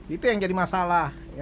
itu yang jadi masalah